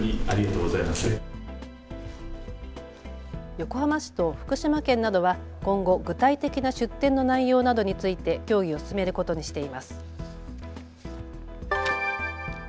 横浜市と福島県などは今後、具体的な出展の内容などについて協議を進めることにしています。